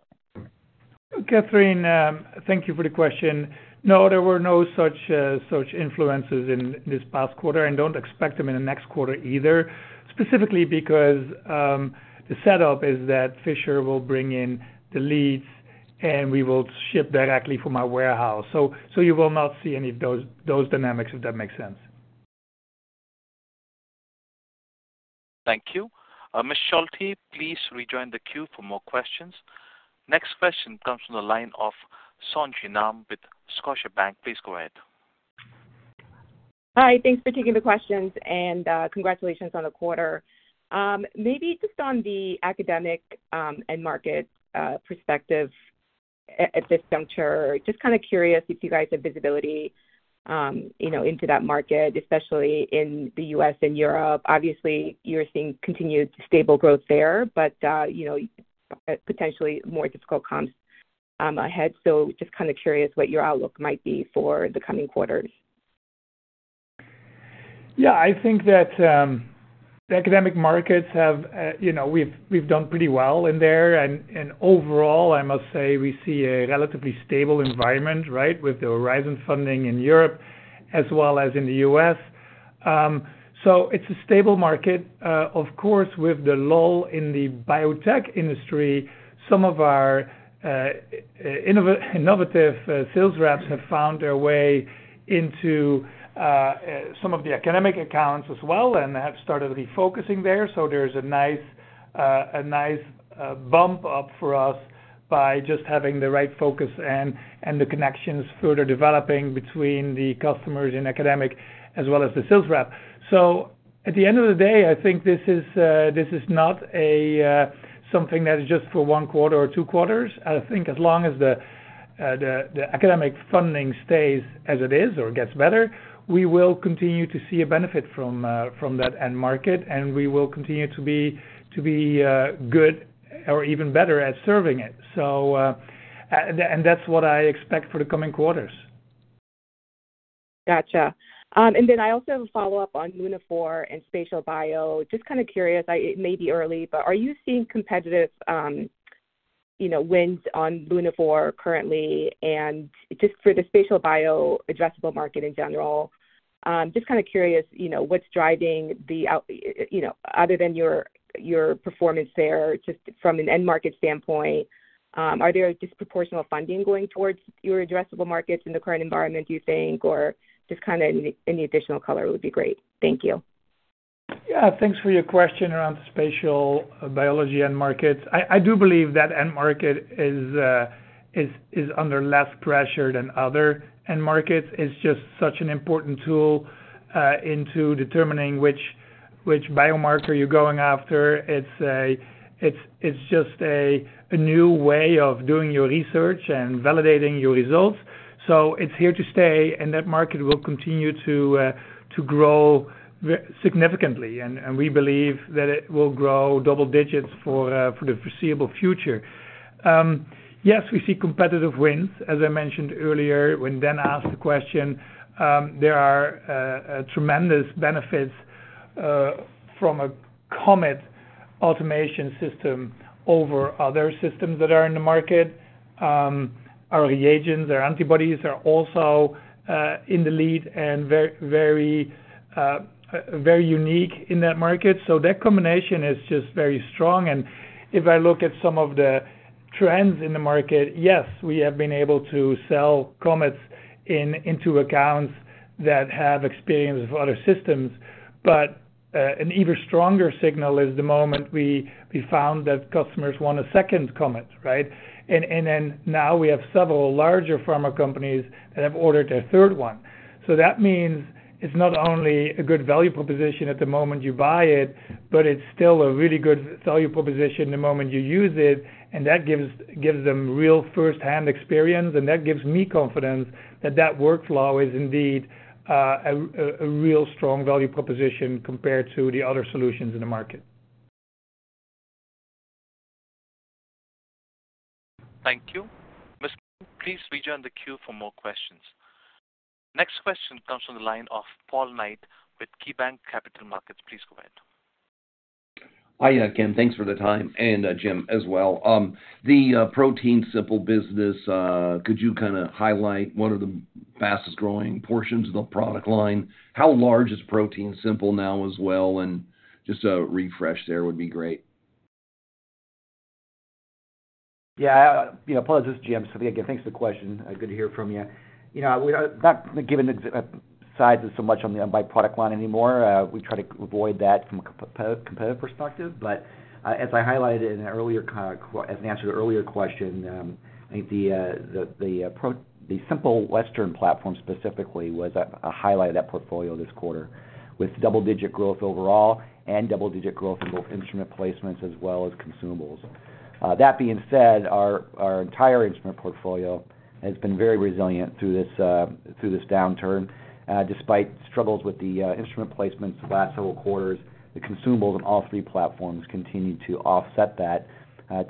Catherine, thank you for the question. No, there were no such influences in this past quarter, and don't expect them in the next quarter either. Specifically because the setup is that Fisher will bring in the leads, and we will ship directly from our warehouse. So you will not see any of those dynamics, if that makes sense.
Thank you. Ms. Schulte, please rejoin the queue for more questions. Next question comes from the line of Sonia Nam with Scotia Bank. Please go ahead.
Hi, thanks for taking the questions, and, congratulations on the quarter. Maybe just on the academic end market perspective at this juncture, just kind of curious if you guys have visibility, you know, into that market, especially in the U.S. and Europe. Obviously, you're seeing continued stable growth there, but, you know, potentially more difficult comps ahead. So just kind of curious what your outlook might be for the coming quarters.
Yeah, I think that the academic markets have, you know, we've done pretty well in there. And overall, I must say, we see a relatively stable environment, right? With the Horizon funding in Europe as well as in the U.S. So it's a stable market. Of course, with the lull in the biotech industry, some of our innovative sales reps have found their way into some of the academic accounts as well and have started refocusing there. So there's a nice bump up for us by just having the right focus and the connections further developing between the customers in academic as well as the sales rep. So at the end of the day, I think this is not something that is just for one quarter or two quarters. I think as long as the academic funding stays as it is or gets better, we will continue to see a benefit from that end market, and we will continue to be good or even better at serving it. So, and that's what I expect for the coming quarters.
Gotcha. And then I also have a follow-up on Lunaphore and spatial biology. Just kind of curious, it may be early, but are you seeing competitive, you know, wins on Lunaphore currently? And just for the spatial biology addressable market in general, just kind of curious, you know, what's driving the outlook, you know, other than your, your performance there, just from an end market standpoint, are there disproportionate funding going towards your addressable markets in the current environment, do you think, or just kind of any, any additional color would be great. Thank you.
Yeah, thanks for your question around the spatial biology end markets. I do believe that end market is under less pressure than other end markets. It's just such an important tool into determining which biomarker you're going after. It's just a new way of doing your research and validating your results, so it's here to stay, and that market will continue to grow significantly, and we believe that it will grow double digits for the foreseeable future. Yes, we see competitive wins. As I mentioned earlier when Dan asked the question, there are tremendous benefits from a COMET automation system over other systems that are in the market. Our reagents or antibodies are also in the lead and very unique in that market. So that combination is just very strong, and if I look at some of the trends in the market, yes, we have been able to sell COMETs into accounts that have experience with other systems, but an even stronger signal is the moment we found that customers want a second COMET, right? And then now we have several larger pharma companies that have ordered a third one. So that means it's not only a good value proposition at the moment you buy it, but it's still a really good value proposition the moment you use it, and that gives them real first-hand experience, and that gives me confidence that that workflow is indeed a real strong value proposition compared to the other solutions in the market.
Thank you. Ms., please rejoin the queue for more questions. Next question comes from the line of Paul Knight with KeyBanc Capital Markets. Please go ahead.
Hi, yeah, Kim, thanks for the time, and, Jim, as well. The ProteinSimple business, could you kind of highlight what are the fastest-growing portions of the product line? How large is ProteinSimple now as well? And just a refresh there would be great.
Yeah, you know, Paul, this is Jim. So again, thanks for the question. Good to hear from you. You know, we are not giving sizes so much on the by product line anymore. We try to avoid that from a competitive perspective. But, as I highlighted as an answer to an earlier question, I think the Simple Western platform specifically was a highlight of that portfolio this quarter, with double-digit growth overall and double-digit growth in both instrument placements as well as consumables. That being said, our entire instrument portfolio has been very resilient through this downturn. Despite struggles with the instrument placements the last several quarters, the consumables on all three platforms continued to offset that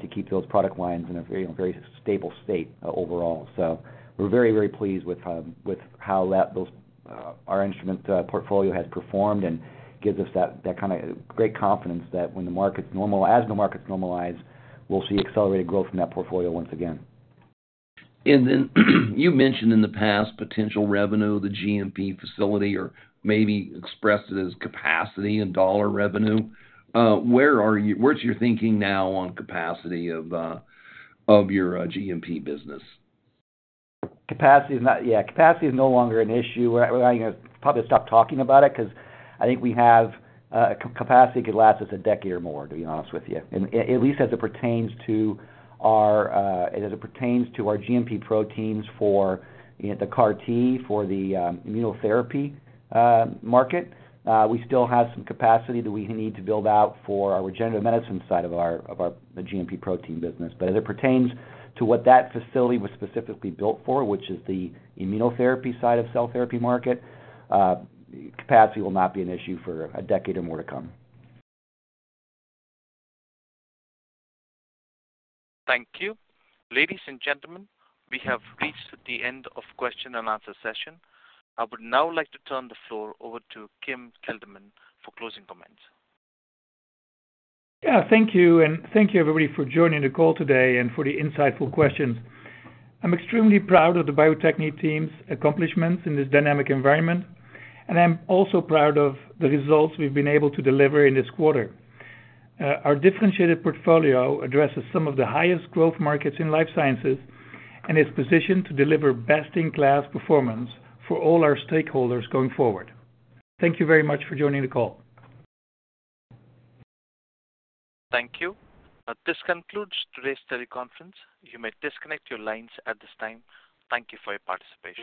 to keep those product lines in a very, very stable state overall. So we're very, very pleased with how our instrument portfolio has performed and gives us that kind of great confidence that when the market's normal, as the market normalizes, we'll see accelerated growth from that portfolio once again.
And then you mentioned in the past potential revenue, the GMP facility, or maybe expressed it as capacity and dollar revenue. Where are you, what's your thinking now on capacity of your GMP business?
Capacity is not. Yeah, capacity is no longer an issue. We're going to probably stop talking about it, 'cause I think we have capacity could last us a decade or more, to be honest with you. And at least as it pertains to our and as it pertains to our GMP proteins for, you know, the CAR-T, for the immunotherapy market. We still have some capacity that we need to build out for our regenerative medicine side of our of our GMP protein business. But as it pertains to what that facility was specifically built for, which is the immunotherapy side of cell therapy market, capacity will not be an issue for a decade or more to come.
Thank you. Ladies and gentlemen, we have reached the end of question and answer session. I would now like to turn the floor over to Kim Kelderman for closing comments.
Yeah, thank you, and thank you, everybody, for joining the call today and for the insightful questions. I'm extremely proud of the Bio-Techne team's accomplishments in this dynamic environment, and I'm also proud of the results we've been able to deliver in this quarter. Our differentiated portfolio addresses some of the highest growth markets in life sciences and is positioned to deliver best-in-class performance for all our stakeholders going forward. Thank you very much for joining the call.
Thank you. This concludes today's teleconference. You may disconnect your lines at this time. Thank you for your participation.